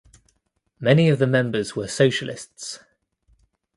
Many of the members were socialists.